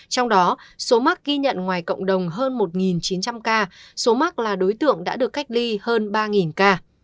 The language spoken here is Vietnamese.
trong đó số mắc ghi nhận ngoài cộng đồng hơn một chín trăm linh ca số mắc là đối tượng đã được cách ly hơn ba ca